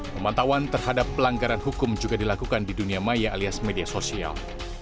pemantauan terhadap pelanggaran hukum juga dilakukan di dunia maya alias media sosial